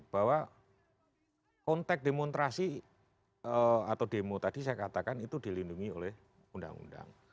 bahwa konteks demonstrasi atau demo tadi saya katakan itu dilindungi oleh undang undang